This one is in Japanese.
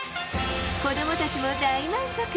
子どもたちも大満足。